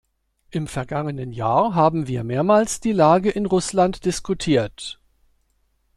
Im vergangenen Jahr haben wir mehrmals die Lage in Russland diskutiert.